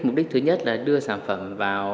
mục đích thứ nhất là đưa sản phẩm vào